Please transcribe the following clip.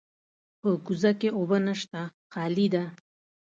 په کوزه کې اوبه نشته، خالي ده.